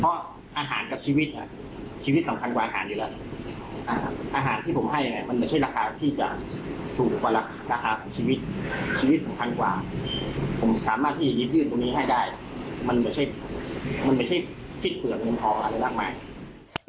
มันไม่ใช่คิดเผื่อเงินพอหรือล่างไม้